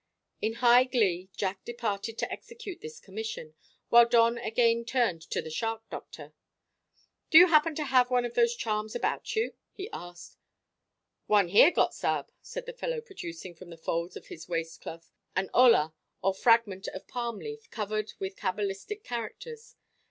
In high glee Jack departed to execute this commission, while Don again turned to the shark doctor. "Do you happen to have one of those charms about you?" he asked. "One here got, sa'b," said the fellow, producing from the folds of his waist cloth an ola or fragment of palm leaf, covered with cabalistic characters.